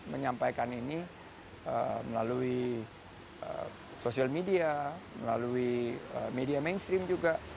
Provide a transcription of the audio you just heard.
menyampaikan ini melalui sosial media melalui media mainstream juga